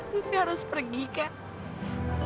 livi harus pergi kak